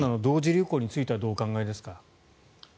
流行についてはどうお考えですか。